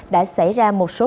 đã xảy ra một số